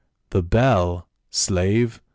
"The bell, slave !